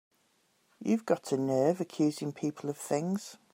You've got a nerve accusing people of things!